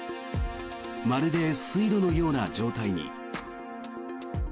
まるで水路のような状態に。